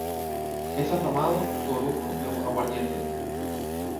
Es afamado su orujo de aguardiente.